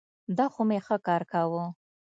دا خو مي ښه کار کاوه.